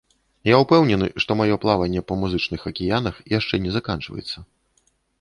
Я ўпэўнены, што маё плаванне па музычных акіянах яшчэ не заканчваецца.